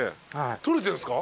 撮れてるんすか？